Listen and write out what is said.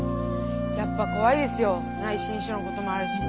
やっぱ怖いですよ内申書のこともあるし。